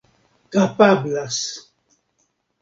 kapablas